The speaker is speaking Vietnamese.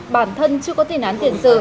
bản thân chưa có tiền án tiền sự